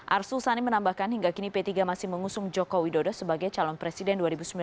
arsul sani menambahkan hingga kini p tiga masih mengusung joko widodo sebagai calon presiden dua ribu sembilan belas